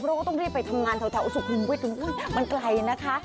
เพราะก็ต้องรีบไปทำงานแถวสุขภูมิมันไกลนะคะ